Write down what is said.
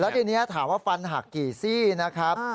ทีนี้ถามว่าฟันหักกี่ซี่นะครับ